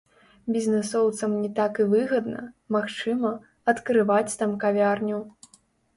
Бізнэсоўцам не так і выгадна, магчыма, адкрываць там кавярню.